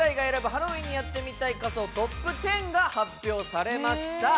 ハロウィンにやってみたい仮装ＴＯＰ１０！」が発表されました。